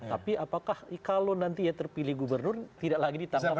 tapi apakah kalau nanti ya terpilih gubernur tidak lagi ditangkap oleh kpk